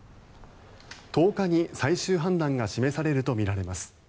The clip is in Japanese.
１０日に最終判断が示されるとみられます。